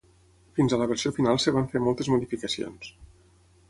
Fins a la versió final es van fer moltes modificacions.